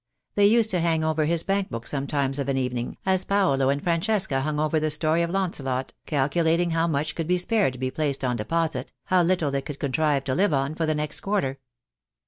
They used to hang over his bankbook sometimes of an evening, as Paolo and Francesca hung over the story of Launcelot, calculating how much could be spared to be placed on deposit, how little they could contrive to live on for the next quarter.